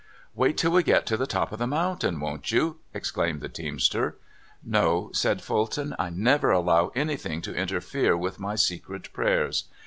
Wait till we get to the top of the mountain, won't you?" exclaimed the teamster. " No," said Fulton, " I never allow anything to interfere with my secret pra3'ers."